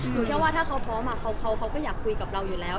เชื่อว่าถ้าเขาพร้อมเขาก็อยากคุยกับเราอยู่แล้ว